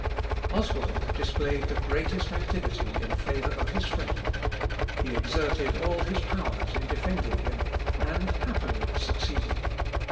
] Oswald displayed the greatest activity in favour of his friend. He exerted all his powers in defending him, and happily succeeded.